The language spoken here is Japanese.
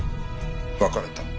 別れた？